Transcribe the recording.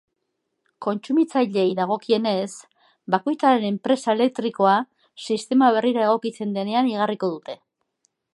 Kontsumitzaileei dagokienez, bakoitzaren enpresa elektrikoa sistema berrira egokitzen denean igarriko dute.